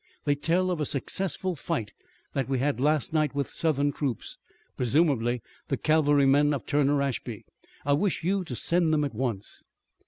They tell of a successful fight that we had last night with Southern troops, presumably the cavalrymen of Turner Ashby. I wish you to send them at once."